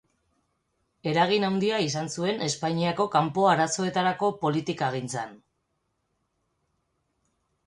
Eragin handia izan zuen Espainiako kanpo-arazoetarako politikagintzan.